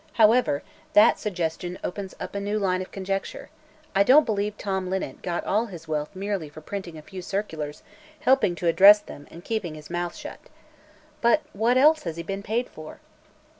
However, that suggestion opens up a new line of conjecture; I don't believe Tom Linnet got all his wealth merely for printing a few circulars, helping to address them, and keeping his mouth shut. But what else has he been paid for?"